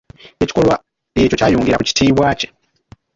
Ekikolwa ekyo kyayongera ku kitiibwa kye.